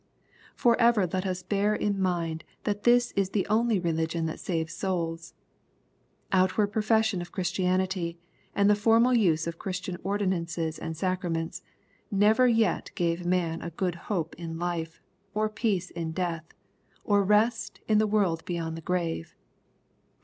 Forever let us bear in mind that this is the only religion that saves souls. Outward profession of Chris tianity, and the formal use of Church ordinances and sacraments, never yet gave man a good hope in life, or peace in death, or rest in the world beyond the grave.